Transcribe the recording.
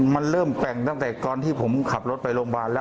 มันเริ่มแต่งตั้งแต่ตอนที่ผมขับรถไปโรงพยาบาลแล้ว